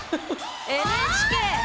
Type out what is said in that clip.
ＮＨＫ！